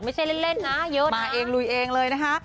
ไม่ใช่เล่นนะเยอะมาเองลุยเองเลยนะคะ